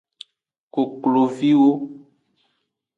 Kokloviwo.